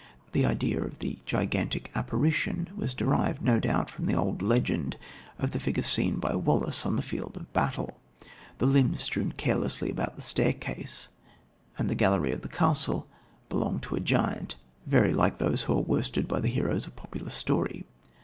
The idea of the gigantic apparition was derived, no doubt, from the old legend of the figure seen by Wallace on the field of battle. The limbs, strewn carelessly about the staircase and the gallery of the castle, belong to a giant, very like those who are worsted by the heroes of popular story.